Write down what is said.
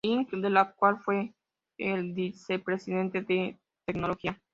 Inc., de la cual fue el vicepresidente de tecnología.